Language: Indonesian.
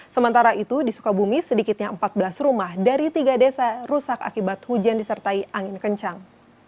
sementara itu di sukabumi sedikitnya empat belas rumah dari tiga desa rusak akibat hujan disertai angin kencang